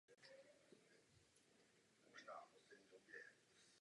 Posledně zmiňovaný Hynek Berka z Dubé měl tři syny.